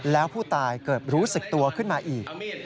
แล้วผู้ตายเกิดรู้สึกตัวขึ้นมาอีก